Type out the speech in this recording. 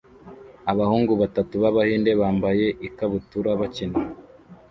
Abahungu batatu b'Abahinde bambaye ikabutura bakina